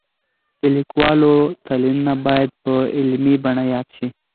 د لیکوالو تلینونه باید په علمي بڼه یاد شي.